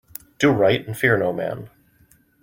Do right and fear no man.